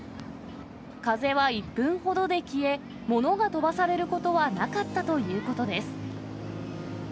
風は１分ほどで消え、物が飛ばされることはなかったということです。